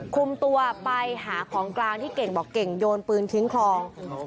คุมตัวไปหาของกลางที่เก่งบอกเก่งโยนปืนทิ้งคลอง